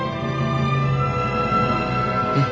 うん。